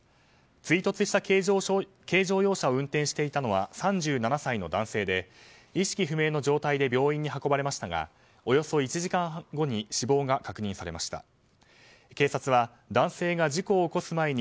追突した軽乗用車を運転していたのは３７歳の男性で意識不明の状態で病院に運ばれましたがおよそ１時間後に死亡が確認されました。